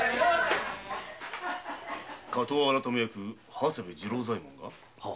火盗改め役・長谷部次郎左衛門が？